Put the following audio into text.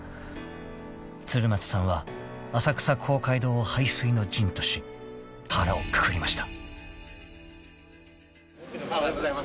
［鶴松さんは浅草公会堂を背水の陣とし腹をくくりました］